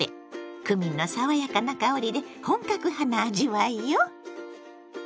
クミンの爽やかな香りで本格派な味わいよ。